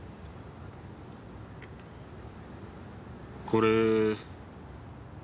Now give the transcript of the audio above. これ。